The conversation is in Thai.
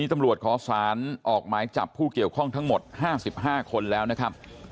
ตำรวจขอสารออกหมายจับผู้เกี่ยวข้องทั้งหมด๕๕คนแล้วนะครับ